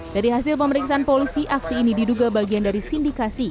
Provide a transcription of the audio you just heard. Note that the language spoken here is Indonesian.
dari hasil pemeriksaan polisi aksi ini diduga bagian dari sindikasi